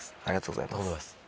ありがとうございます。